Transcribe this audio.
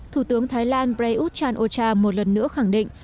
thủ tướng thái lan prayuth chan o cha một lần nữa khẳng định